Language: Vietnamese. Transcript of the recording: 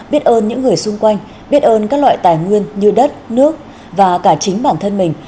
biết ơn những người xung quanh biết ơn các loại tài nguyên như đất nước và cả chính bản thân mình